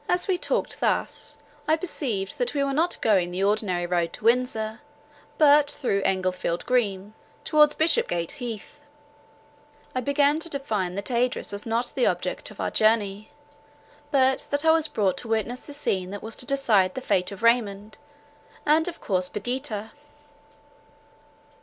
As we talked thus, I perceived that we were not going the ordinary road to Windsor, but through Englefield Green, towards Bishopgate Heath. I began to divine that Idris was not the object of our journey, but that I was brought to witness the scene that was to decide the fate of Raymond—and of Perdita.